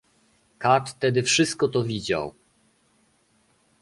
"Kat tedy wszystko to widział."